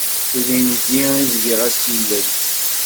Ilindi i bdiɣ asilel.